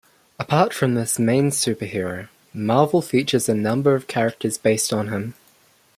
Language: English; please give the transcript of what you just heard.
Apart from this main superhero, Marvel features a number of characters based on him.